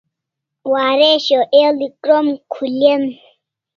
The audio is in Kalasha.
Waresho el'i to krom khulen